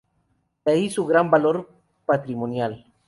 De ahí su gran valor patrimonial.